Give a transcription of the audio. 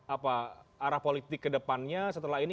apakah sudah mulai memikirkan arah politik kedepannya setelah ini